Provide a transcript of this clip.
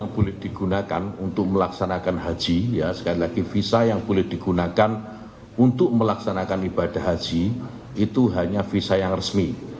yang boleh digunakan untuk melaksanakan haji sekali lagi visa yang boleh digunakan untuk melaksanakan ibadah haji itu hanya visa yang resmi